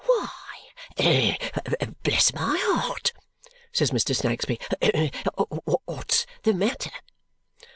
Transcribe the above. "Why, bless my heart," says Mr. Snagsby, "what's the matter!"